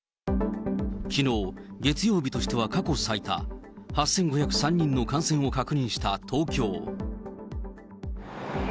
きのう、月曜日としては過去最多、８５０３人の感染を確認した東京。